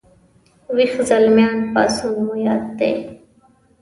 ويښ زلميان پاڅون مو یاد دی